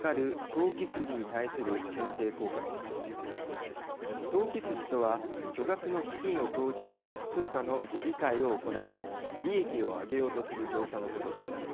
投機筋とは、巨額の資金を投じて通貨の売り買いを行い利益を上げようとする業者のことです。